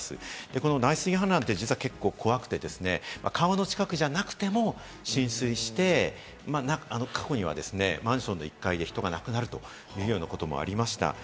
この内水氾濫って、実は結構怖くて、川の近くじゃなくても浸水して、過去にはマンションの１階で人が亡くなるというようなこともありました。